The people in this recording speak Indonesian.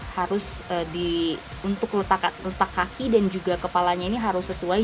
harus untuk retak kaki dan juga kepalanya ini harus sesuai